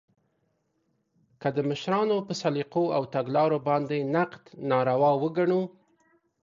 که د مشرانو په سلیقو او تګلارو باندې نقد ناروا وګڼو